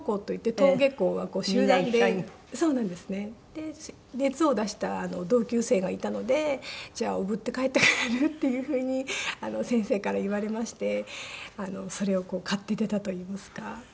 で熱を出した同級生がいたので「じゃあおぶって帰ってくれる？」っていうふうに先生から言われましてそれを買って出たといいますか。